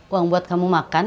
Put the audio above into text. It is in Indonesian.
uang buat kamu makan